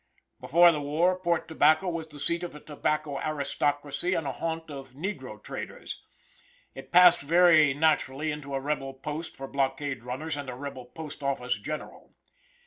Before the war Port Tobacco was the seat of a tobacco aristocracy and a haunt of negro traders. It passed very naturally into a rebel post for blockade runners and a rebel post office general.